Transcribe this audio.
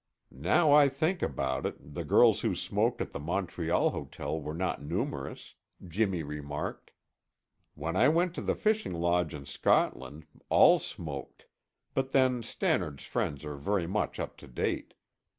"Now I think about it, the girls who smoked at the Montreal hotel were not numerous," Jimmy remarked. "When I went to the fishing lodge in Scotland, all smoked, but then Stannard's friends are very much up to date.